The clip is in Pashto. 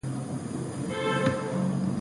بشري منابع او غیر محسوس منابع پکې دي.